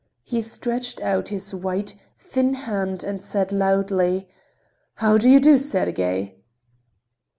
He stretched out his white, thin hand and said loudly: "How do you do, Sergey?"